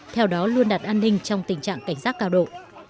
theo đó luôn đặt an ninh trong tình trạng cảnh giác cao độ